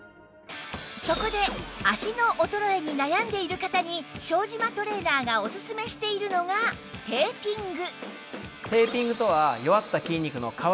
そこで脚の衰えに悩んでいる方に庄島トレーナーがおすすめしているのがテーピング